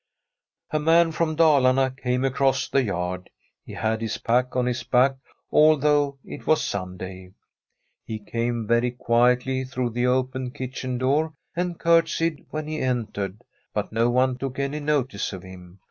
A man from Dalarne came across the yard; he had his pack on his back, although it was Sun day. He came very quietly through the open kitchen door, and curtsied when he entered, but no one took any notice of him.